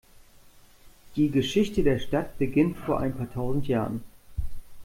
Die Geschichte der Stadt beginnt vor ein paar tausend Jahren.